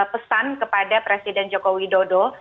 pesan kepada presiden joko widodo